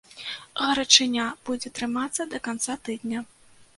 Гарачыня будзе трымацца да канца тыдня.